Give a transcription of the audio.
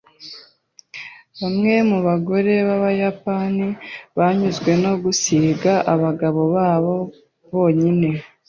Bamwe mu bagore b'Abayapani banyuzwe no gusiga abagabo babo bonyine.